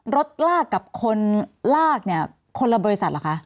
รถลากกับคนลากเนี่ยคนละบริษัทเหรอคะ